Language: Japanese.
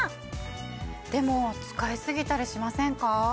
でも使い過ぎたりしませんか？